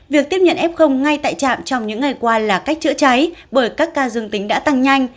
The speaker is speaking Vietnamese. việc tiếp nhận f ngay tại trạm trong những ngày qua là cách chữa cháy bởi các ca dương tính đã tăng nhanh